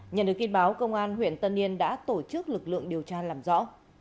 nhận được tin báo công an huyện tân yên đã tổ chức lực lượng điều tra làm rõ